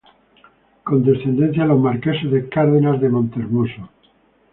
Con descendencia en los marqueses de Cárdenas de Montehermoso".